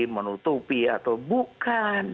menutupi atau bukan